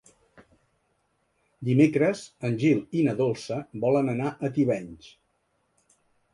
Dimecres en Gil i na Dolça volen anar a Tivenys.